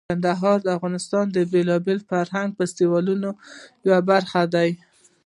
کندهار د افغانستان د بیلابیلو فرهنګي فستیوالونو یوه برخه ده.